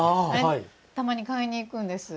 たまに買いに行くんです。